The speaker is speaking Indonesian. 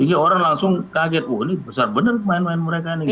jadi orang langsung kaget wah ini besar bener main main mereka ini